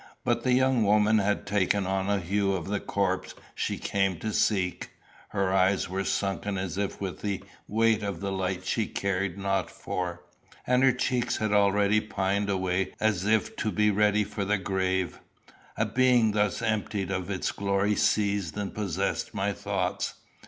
But the young woman had taken on the hue of the corpse she came to seek. Her eyes were sunken as if with the weight of the light she cared not for, and her cheeks had already pined away as if to be ready for the grave. A being thus emptied of its glory seized and possessed my thoughts.